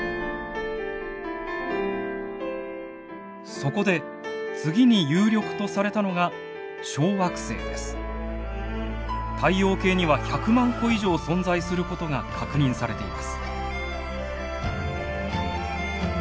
そこで次に有力とされたのが太陽系には１００万個以上存在することが確認されています。